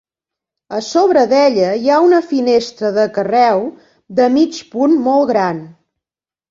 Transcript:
A sobre d'ella hi ha una finestra de carreu, de mig punt, molt gran.